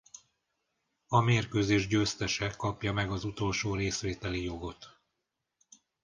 A mérkőzés győztese kapja meg az utolsó részvételi jogot.